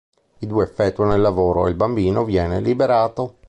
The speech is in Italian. I due effettuano il lavoro e il bambino viene liberato.